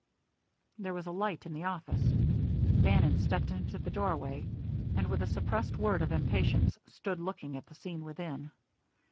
There was a light in the office. Bannon stepped into the doorway, and, with a suppressed word of impatience, stood looking at the scene within.